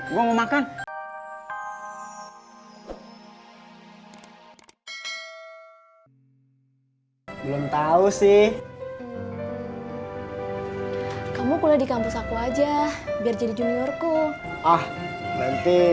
belum tahu sih kamu pulang di kampus aku aja biar jadi juniorku ah nanti